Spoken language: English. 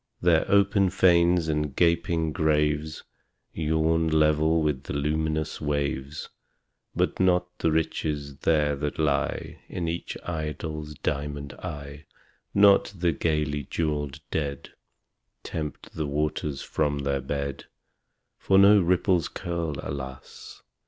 There open fanes and gaping graves Yawn level with the luminous waves; But not the riches there that lie In each idol's diamond eye Not the gaily jewelled dead Tempt the waters from their bed; For no ripples curl, alas!